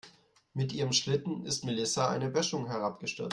Mit ihrem Schlitten ist Melissa eine Böschung herabgestürzt.